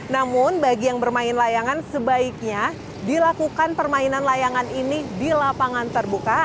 namun bagi yang bermain layangan sebaiknya dilakukan permainan layangan ini di lapangan terbuka